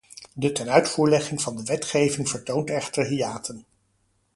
De tenuitvoerlegging van de wetgeving vertoont echter hiaten.